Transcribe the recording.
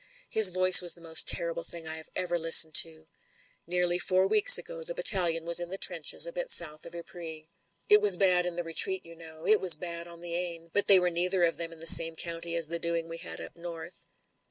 His voice was the most terrible thing I have ever listened to. ... "Nearly four weeks ago the battalion was in the trenches a bit south of Ypres. It was bad in the re treat, as you know ; it was bad on the Aisne ; but they were neither of them in the same county as the doing we had up north.